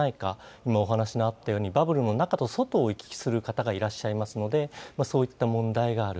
今、お話のあったように、バブルの中と外を行き来する方がいらっしゃいますので、そういった問題がある。